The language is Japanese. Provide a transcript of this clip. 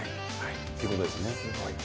ということですよね。